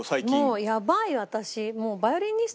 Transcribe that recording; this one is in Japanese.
もうやばい私。